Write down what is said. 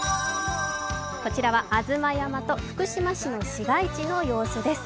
こちらは吾妻山と福島市の市街地の様子です。